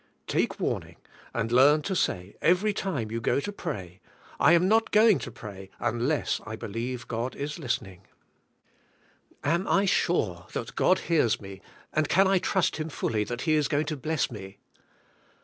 Take warning, and learn to say, every time you go to pray, I am not going to pray unless I believe God is 112 THE SPIRITUAL LIFE. listening. Am I sure that God hears me and can I trust Him fully that He is going to bless me.